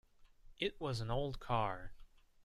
It was an old car.